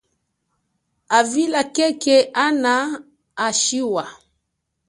Avila khekhe ana a shiwa.